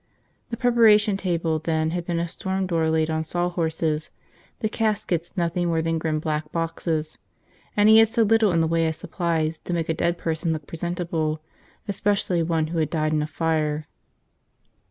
The preparation table then had been a storm door laid on sawhorses, the caskets nothing more than grim black boxes. And he had so little in the way of supplies to make a dead person look presentable, especially one who had died in a fire.